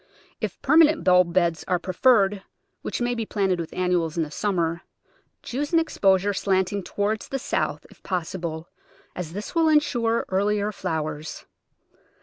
If per manent bulb beds are preferred (which may be planted with annuals in the summer) choose an exposure slanting toward the south, if possible, as this will in sure earlier flowers.